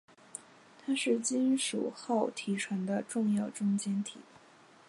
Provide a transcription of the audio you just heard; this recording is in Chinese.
它是金属锆提纯的重要中间体。